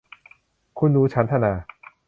คุณหนูฉันทนา